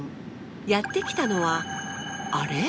やって来たのはあれ？